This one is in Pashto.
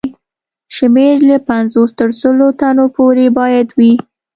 شمېر یې له پنځوس تر سلو تنو پورې باید وي.